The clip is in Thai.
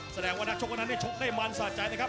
แสดงว่านักชกวันนั้นชกได้มันสะใจนะครับ